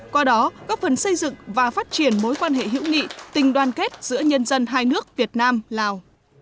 qua đó góp phần xây dựng và phát triển mối quan hệ hữu nghị tình đoàn kết giữa nhân dân hai nước việt nam lào